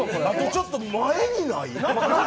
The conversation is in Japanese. ちょっと前にない？